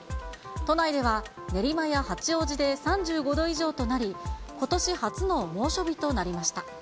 都内では練馬や八王子で３５度以上となり、ことし初の猛暑日となりました。